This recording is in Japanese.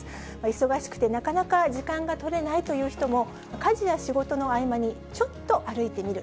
忙しくてなかなか時間が取れないという人も、家事や仕事の合間に、ちょっと歩いてみる。